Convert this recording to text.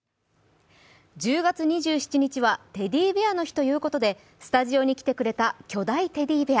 １０月２７日にはテディベアの日ということで、スタジオに来てくれた巨大テディベア。